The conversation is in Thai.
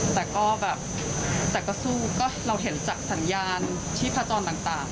แต่ก็สู้ก็รอเห็นจากสัญญาณที่พจนต่าง